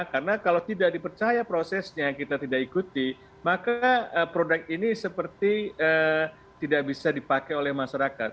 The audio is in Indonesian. karena kalau tidak dipercaya prosesnya kita tidak ikuti maka produk ini seperti tidak bisa dipakai oleh masyarakat